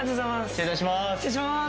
失礼いたします